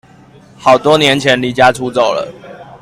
好多年前離家出走了